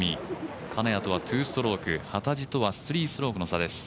金谷とは２ストローク、幡地とは３ストロークの差です。